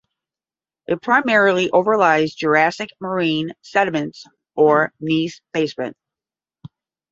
It primarily overlies Jurassic marine sediments or gneiss basement.